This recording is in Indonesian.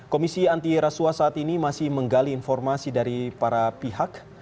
komisi anti rasuah saat ini masih menggali informasi dari para pihak